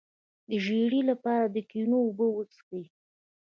د ژیړي لپاره د ګنیو اوبه وڅښئ